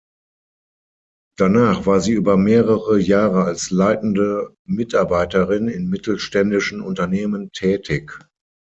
Danach war sie über mehrere Jahre als leitende Mitarbeiterin in mittelständischen Unternehmen tätig.